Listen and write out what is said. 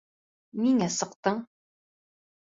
Ниңә сыҡтың?